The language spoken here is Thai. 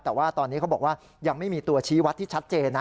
แต่ว่าตอนนี้เขาบอกว่ายังไม่มีตัวชี้วัดที่ชัดเจนนะ